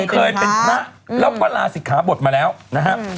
เคยเป็นพระแล้วก็ลาศิกขาบทมาแล้วนะครับ